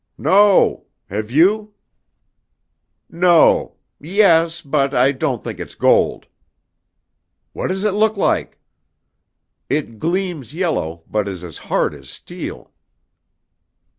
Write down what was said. "No. Have you?" "No yes but I don't think it's gold." "What does it look like?" "It gleams yellow but is as hard as steel."